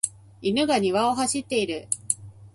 犬が庭を走っている。